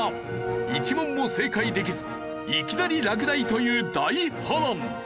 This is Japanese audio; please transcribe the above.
１問も正解できずいきなり落第という大波乱！